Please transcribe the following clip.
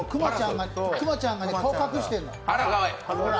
くまちゃんが顔を隠してるの。